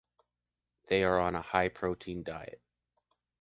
They are on a high protein diet.